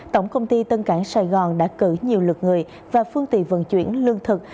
tổng công ty tân cảng sài gòn đã cử nhiều lực người và phương tiện vận chuyển lương thực